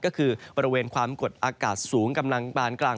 ก็คือบริเวณความกดอากาศสูงกำลังปานกลาง